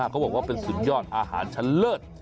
เขาบอกว่าเป็นสุดยอดอาหารชะเลิศ